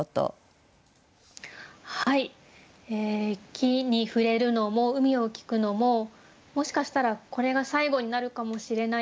樹に触れるのも海を聴くのももしかしたらこれが最後になるかもしれない。